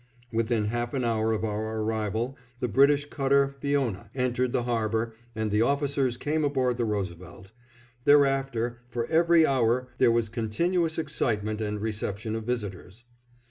Within half an hour of our arrival, the British cutter Fiona entered the harbor and the officers came aboard the Roosevelt. Thereafter for every hour there was continuous excitement and reception of visitors.